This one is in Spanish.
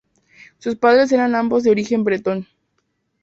Sus padres eran ambos de origen bretón.